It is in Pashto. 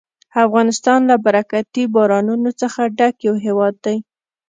افغانستان له برکتي بارانونو څخه ډک یو هېواد دی.